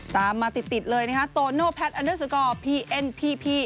ตามมาติดเลยนะโตโนแพทพีเอ็นพีพี